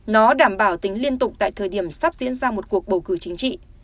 nó đảm bảo tính liên tục tại thời điểm sắp diễn ra một cuộc bầu cử chính trị